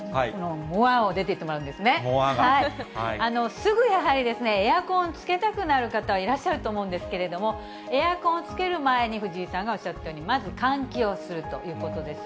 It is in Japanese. すぐやはりエアコンつけたくなる方、いらっしゃると思うんですけれども、エアコンをつける前に、藤井さんがおっしゃったようにまず換気をするということです。